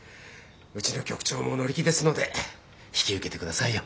うちの局長も乗り気ですので引き受けて下さいよ。